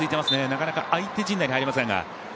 なかなか相手陣内に入れませんが。